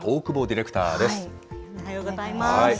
おはようございます。